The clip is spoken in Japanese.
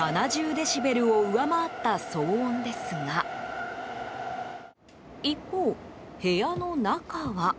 デシベルを上回った騒音ですが一方、部屋の中は？